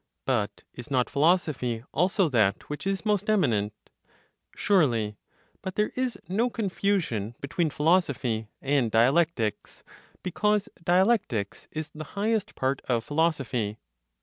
But is not philosophy also that which is most eminent? Surely. But there is no confusion between philosophy and dialectics, because dialectics is the highest part of philosophy.